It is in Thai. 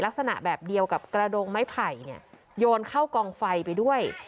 ลักษณะแบบเดียวกับกระดงไม้ไผ่โยนเข้ากองไฟไปด้วย